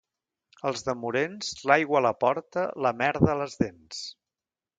Els de Morens, l'aigua a la porta, la merda a les dents.